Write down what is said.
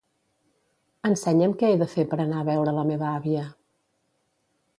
Ensenya'm què he de fer per anar a veure la meva àvia.